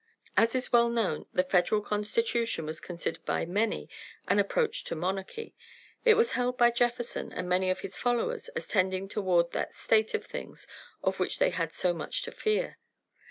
As is well known, the Federal constitution was considered by many an approach to monarchy. It was held by Jefferson and many of his followers as tending toward that state of things of which they had so much to fear.